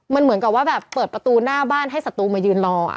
มันเหมือนกับว่าแบบเปิดประตูหน้าบ้านให้ศัตรูมายืนรอ